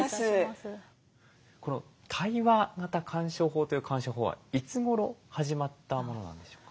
この対話型鑑賞法という鑑賞法はいつごろ始まったものなんでしょうか？